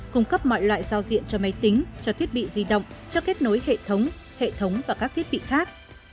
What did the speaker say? cung cấp mọi loại giao diện cho máy tính cho thiết bị di động cho kết nối hệ thống hệ thống và các thiết bị khác